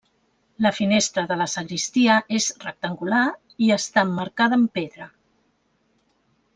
La finestra de la sagristia és rectangular i està emmarcada en pedra.